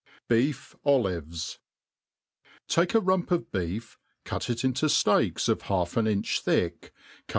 Beef Olives, TAKE a rump of beef, cut it into fteaks of half an inch thick, cut.